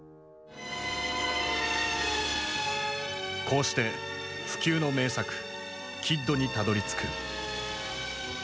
こうして不朽の名作「キッド」にたどりつく。